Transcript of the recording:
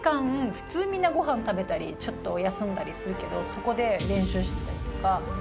普通みんなご飯食べたりちょっと休んだりするけどそこで練習してたりとか。